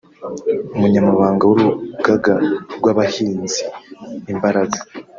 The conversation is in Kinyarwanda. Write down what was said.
umunyamabanga w’urugaga rw’abahinzi “Imbaraga”